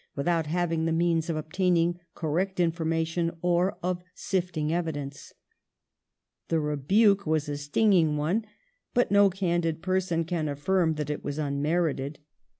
. without having the means of obtaining correct information or of sifting evidence ". The rebuke was a stinging one, but no candid pei son can affirm that it was unmerited.